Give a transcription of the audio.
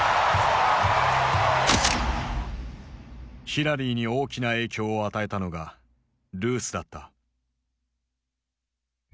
ヒラリーに大きな影響を与えたのがルースだった。